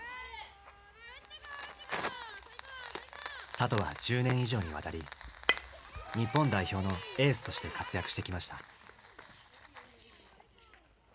里は１０年以上にわたり日本代表のエースとして活躍してきました。